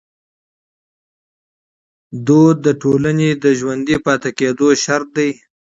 فرهنګ د ټولني د ژوندي پاتې کېدو شرط دی.